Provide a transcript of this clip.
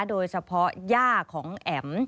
โดยเฉพาะญาติของแอ๋ม